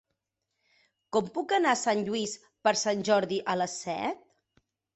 Com puc anar a Sant Lluís per Sant Jordi a les set?